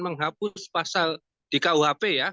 menghapus pasal di kuhp ya